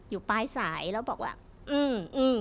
อยู่ปลายสายแล้วบอกว่าอืม